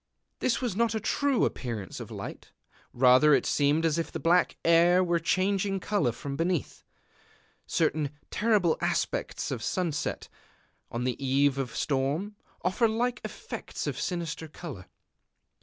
This was not a true appearance of light: rather it seemed as if the black air were changing color from beneath.... Certain terrible aspects of sunset, on the eve of storm, offer like effects of sinister color....